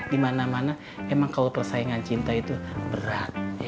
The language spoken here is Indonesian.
di mana mana emang kalau persaingan cinta itu berat